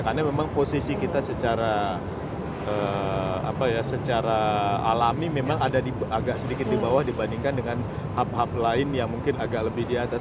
karena memang posisi kita secara alami memang ada di agak sedikit di bawah dibandingkan dengan hub hub lain yang mungkin agak lebih di atas